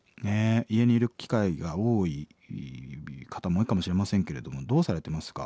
家にいる機会が多い方も多いかもしれませんけれどもどうされてますか？